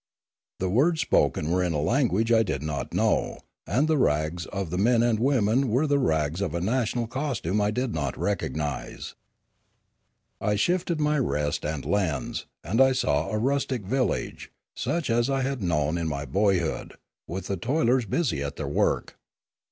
The words spoken were in a language I did not know, and the rags of the men and women were the rags of a national costume I did not recognise. Their Heaven and Their Hell 239 I shifted my rest and lens, and I saw a rustic village, such as I had known in ray boyhood, with the toilers busy at their work.